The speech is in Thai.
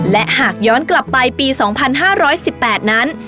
และหากย้อนกลับไปปี๒๕๑๘นั้น